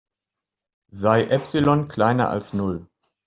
Sei Epsilon kleiner als Null.